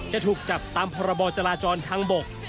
จะถูกจับตามพรบจราจรทางบก